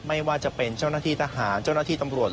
ไม่ว่าจะเป็นเจ้าหน้าที่ทหารเจ้าหน้าที่ตำรวจ